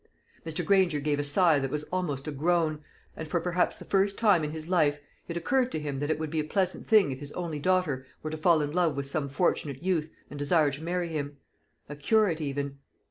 Mr. Granger gave a sigh that was almost a groan, and, for perhaps the first time in his life, it occurred to him that it would be a pleasant thing if his only daughter were to fall in love with some fortunate youth, and desire to marry him. A curate even.